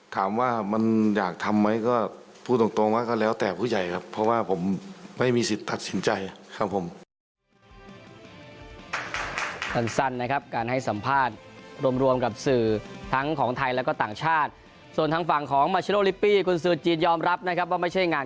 ถามว่ามันอยากทำไหมก็พูดตรงว่าก็แล้วแต่ผู้ใหญ่ครับเพราะว่าผมไม่มีสิทธิ์ตัดสินใจครับผม